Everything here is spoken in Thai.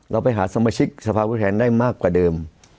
เราไปหาสมาชิกสภาพุทธแทนได้มากกว่าเดิม